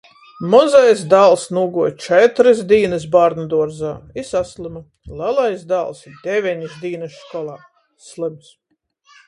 Mozais dāls nūguoja četrys dīnys bārnuduorzā i saslyma, lelais dāls devenis dīnys školā, slyms.